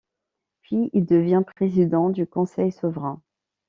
Puis il devient président du Conseil Souverain.